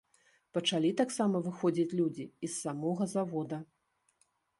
Пачалі таксама выходзіць людзі і з самога завода.